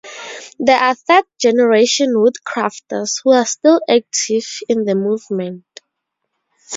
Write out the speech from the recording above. There are third-generation Woodcrafters who are still active in the movement.